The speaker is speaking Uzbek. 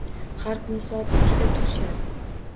Har kuni soat ikkida turishadi.